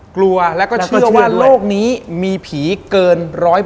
กลัวแล้วก็เชื่อว่าโลกนี้มีผีเกิน๑๐๐